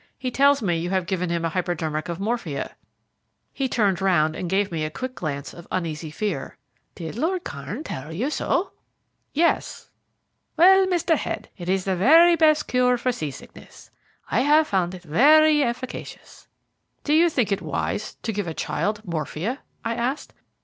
He tells me you have give him a hypodermic of morphia." He turned round and gave me a quick glance of uneasy fear. "Did Lord Kairn tell you so?" "Yes." "Well, Mr. Head, it is the very best cure for sea sickness. I have found it most efficacious." "Do you think it wise to give a child morphia?" I asked.